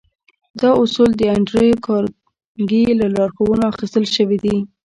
دا اصول د انډريو کارنګي له لارښوونو اخيستل شوي دي.